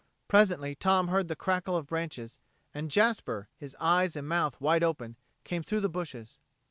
Presently Tom heard the crackle of branches, and Jasper, his eyes and mouth wide open, came through the bushes.